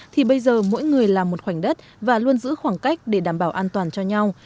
thì bây giờ mỗi người làm một khoảnh đất và luôn giữ khoảng cách để đảm bảo an toàn cho nhau